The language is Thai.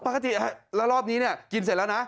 ปกติแล้วรอบนี้กินเสร็จแล้วนะ